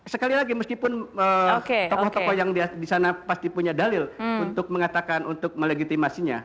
sekali lagi meskipun tokoh tokoh yang di sana pasti punya dalil untuk mengatakan untuk melegitimasinya